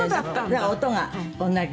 だから音が同じ。